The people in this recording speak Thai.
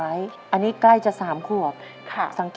ขอเอ็กซาเรย์แล้วก็เจาะไข่ที่สันหลังค่ะ